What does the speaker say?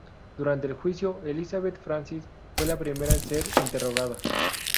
Durante el juicio, Elizabeth Francis fue la primera en ser interrogada.